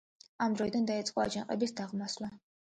ამ დროიდან დაიწყო აჯანყების დაღმასვლა.